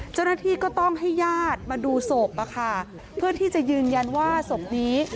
เจ้าหน้าที่ก็ต้องให้ญาติมาดูศพเพื่อที่จะยืนยันว่าศพนี้